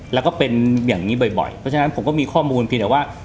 แล้วก็เป็นอย่างนี้บ่อยเพราะฉะนั้นผมก็มีข้อมูลเพียงแต่ว่า